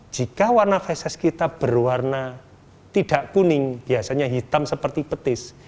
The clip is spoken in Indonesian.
jika warna fesis kita berwarna tidak kuning biasanya hitam seperti petis